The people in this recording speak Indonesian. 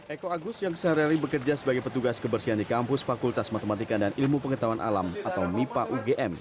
eko agus yang sehari hari bekerja sebagai petugas kebersihan di kampus fakultas matematika dan ilmu pengetahuan alam atau mipa ugm